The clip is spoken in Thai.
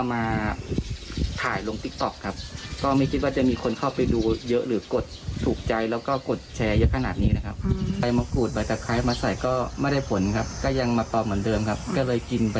แล้วที่บอกว่ามีคนแนะนำว่าให้เอาใบตำลึงทองล่ะครับ